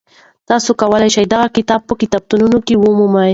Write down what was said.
تاسو کولی شئ دغه کتاب په کتابتون کي ومومئ.